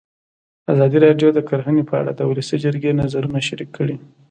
ازادي راډیو د کرهنه په اړه د ولسي جرګې نظرونه شریک کړي.